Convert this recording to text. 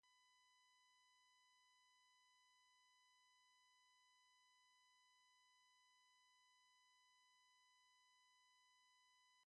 The professor gave four reasons to use object-oriented programming. George understood only three.